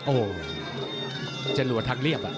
โอ้จะหลวดทางเรียบ